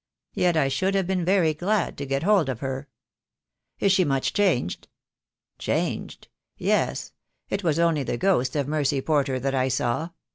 Yet I should have been very glad to get hold of her."' "Is she much changed?" "Changed! Yes. It was only the ghost of Mercy Porter that I saw.